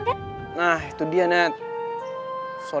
ehm gitu ya man ya